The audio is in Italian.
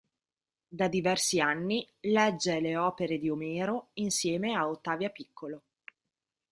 Da diversi anni legge le opere di Omero insieme a Ottavia Piccolo.